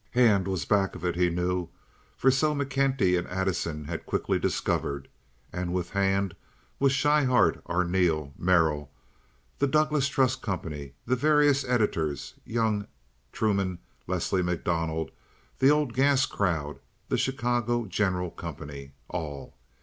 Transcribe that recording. Hand was back of it, he knew—for so McKenty and Addison had quickly discovered—and with Hand was Schryhart, Arneel, Merrill, the Douglas Trust Company, the various editors, young Truman Leslie MacDonald, the old gas crowd, the Chicago General Company—all.